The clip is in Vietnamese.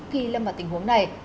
khi lâm vào tình huống này